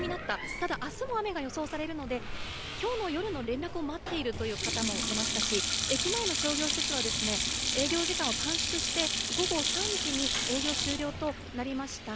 ただあすも雨が予想されるのできょうの夜の連絡を待っているという方もいましたし駅前の商業施設は営業時間を短縮して午後３時に営業終了となりました。